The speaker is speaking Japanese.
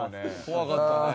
怖かったね。